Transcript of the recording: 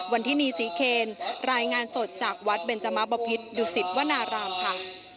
วันที่นี้ซีเคนรายงานสดจากวัดเบญจมะปภิษดิวสิตวนารามค่ะ